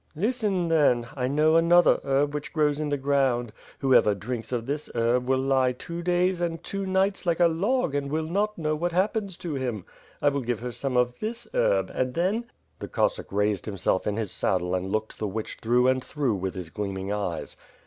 "Listen, then; I know another herb that grows in the ground. Whoever drinks of this herb will lie two days and two nights hke a log and will not know what happens to him. I will give her some of this herb — and then ..." The Cossack raised himself in his saddle and looked the witch through and through with his gleaming eyes.